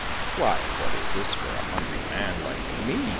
—" Why, what is this for a hungry man like me